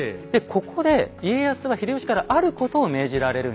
ここで家康は秀吉からあることを命じられるんです。